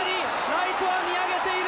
ライトは見上げている！